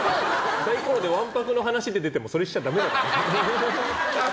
サイコロでわんぱくの話出ててもそれしちゃ、ダメだからね。